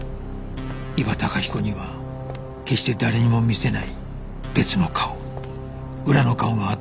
伊庭崇彦には決して誰にも見せない別の顔裏の顔があったんじゃないか